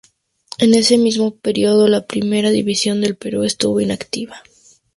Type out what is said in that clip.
En ese mismo periodo, la Primera División del Perú estuvo inactiva.